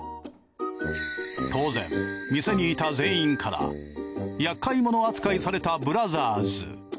当然店にいた全員から厄介者扱いされたブラザーズ。